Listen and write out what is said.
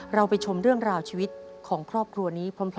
เราไปชมเรื่องราวชีวิตของครอบครัวนี้พร้อม